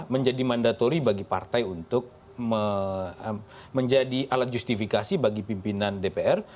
menjadi mandatori bagi partai untuk menjadi alat justifikasi bagi pimpinan dpr